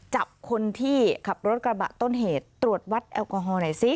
จับคนที่ขับรถกระบะต้นเหตุตรวจวัดแอลกอฮอลหน่อยซิ